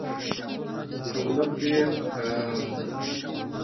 او نۀ پرې پکار ده -